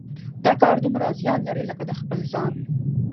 دا کار دومره زیان لري لکه د خپل ځان.